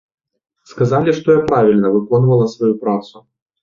Сказалі, што я правільна выконвала сваю працу.